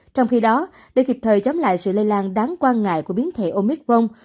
trong khi đó để kịp thời chống lại sự lây lan đáng quan ngại của biến thể omicron